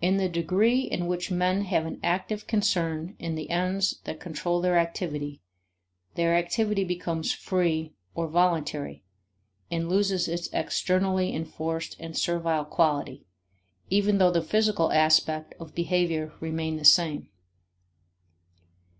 In the degree in which men have an active concern in the ends that control their activity, their activity becomes free or voluntary and loses its externally enforced and servile quality, even though the physical aspect of behavior remain the same.